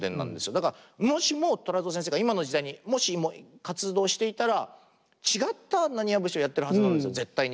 だからもしも虎造先生が今の時代にもしも活動していたら違った浪花節をやってるはずなんですよ絶対に。